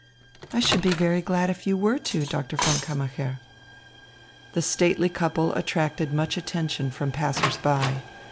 "I should be very glad if you were to, Doctor von Kammacher." The stately couple attracted much attention from passers by.